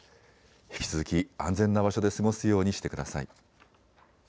引き続き安全な場所で過ごすようにしてください。